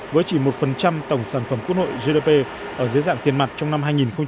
với chỉ một tổng sản phẩm quốc hội gdp ở dưới dạng tiền mặt trong năm hai nghìn một mươi chín